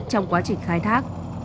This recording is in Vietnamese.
trong quá trình khai thác